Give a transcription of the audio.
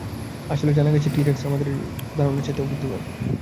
আসলে, জানা গেছে টি-রেক্স আমাদের ধারণার চাইতেও বুদ্ধিমান।